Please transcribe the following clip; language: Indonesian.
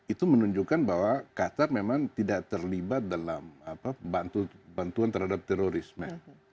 itu menunjukkan bahwa qatar memang tidak terlibat dalam bantuan terhadap terorisme